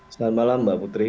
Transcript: selamat malam mbak putri